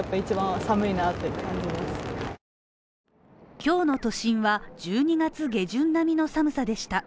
今日の都心は１２月下旬並みの寒さでした。